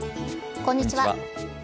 こんにちは。